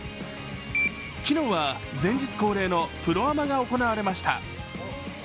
昨日は前日恒例のプロアマが行われました。